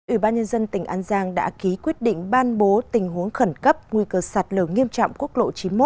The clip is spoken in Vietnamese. ủy ban nhân dân tỉnh an giang đã ký quyết định ban bố tình huống khẩn cấp nguy cơ sạt lở nghiêm trọng quốc lộ chín mươi một